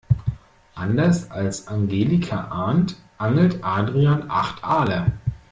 Anders als Angelika Arndt angelt Adrian acht Aale.